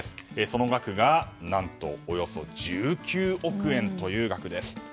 その額が何とおよそ１９億円という額です。